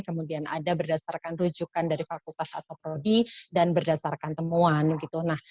kemudian ada berdasarkan rujukan dari fakultas atau prodi dan berdasarkan temuan gitu